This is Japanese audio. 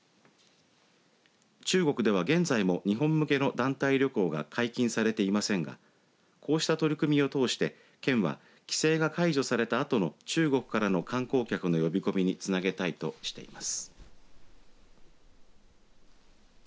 中国では現在も日本向けの団体旅行は解禁されていませんがこうした取り組みを通して県は規制が解除された後の中国からの観光客の呼び込みにつなげたいとしています。